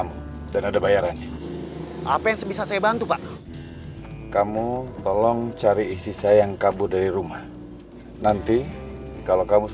oke terima kasih pak guys